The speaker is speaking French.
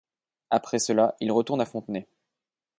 Après cela, il retourne a Fontenay.